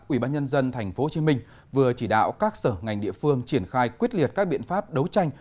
ubnd tp hcm vừa chỉ đạo các sở ngành địa phương triển khai quyết liệt các biện pháp đấu tranh